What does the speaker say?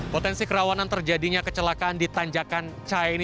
potensi kerawanan terjadinya kecelakaan di tanjakancai ini